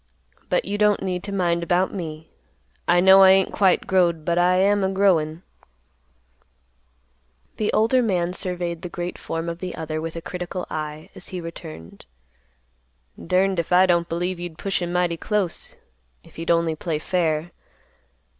But you don't need to mind about me; I know I ain't quite growed, but I am a growin'." The older man surveyed the great form of the other with a critical eye, as he returned, "Durned if I don't believe you'd push him mighty close, if he'd only play fair.